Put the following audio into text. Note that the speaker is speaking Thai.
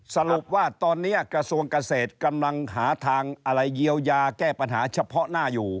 สรุปว่าตอนนี้กระทรวงเกษตรกำลังหาทางอะไรเยียวยาแก้ปัญหาเฉพาะหน้าอยู่